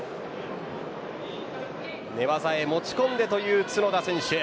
寝技へ持ち込んでという角田選手。